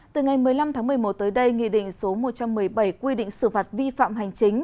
từ ngày một mươi năm tháng một mươi một tới đây nghị định số một trăm một mươi bảy quy định xử phạt vi phạm hành chính